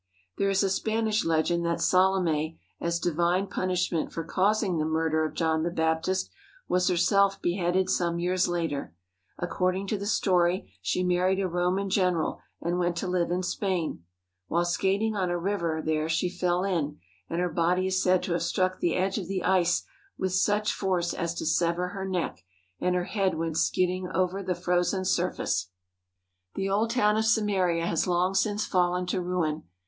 There is a Spanish legend that Salome, as divine pun ishment for causing the murder of John the Baptist, was herself beheaded some years later. According to the story, she married a Roman general and went to live in Spain. While skating on a river there she fell in, and her body is said to have struck the edge of the ice with such force as to sever her neck, and her head went skid ding over the frozen surface. 157 THE HOLY LAND AND SYRIA The old town of Samaria has long since fallen to ruin.